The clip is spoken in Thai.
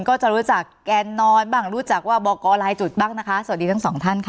ก็จะรู้จักแกนนอนบ้างรู้จักว่าบอกกรลายจุดบ้างนะคะสวัสดีทั้งสองท่านค่ะ